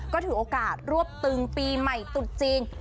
ก็ถือโอกาสรวบตึงปีใหม่ตุดจีน